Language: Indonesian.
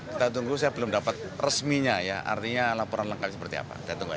kita tunggu saya belum dapat resminya ya artinya laporan lengkap seperti apa tunggu aja